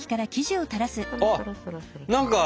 あっ何か。